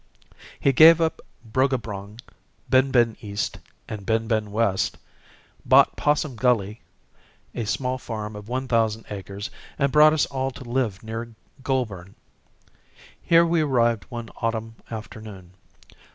He gave up Bruggabrong, Bin Bin East and Bin Bin West, bought Possum Gully, a small farm of one thousand acres, and brought us all to live near Goulburn. Here we arrived one autumn afternoon.